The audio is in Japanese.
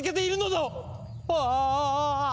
ああ！